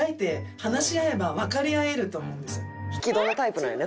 引き戸のタイプなんやね